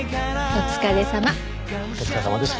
お疲れさまでした。